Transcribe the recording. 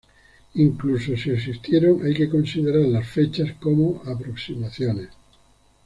Incluso si existieron hay que considerar las fechas como aproximaciones.